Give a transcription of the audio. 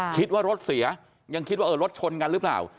คิดว่ารถเสียยังคิดว่าเออรถชนกันหรือเปล่า